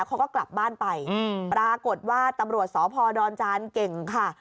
เขาก็กลับบ้านไปปรากฏว่าตำรวจสพดอนจานเก่งค่ะ